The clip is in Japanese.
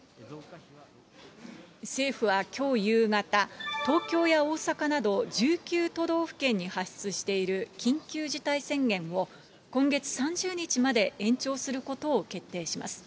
政府はきょう夕方、東京や大阪など１９都道府県に発出している緊急事態宣言を今月３０日まで延長することを決定します。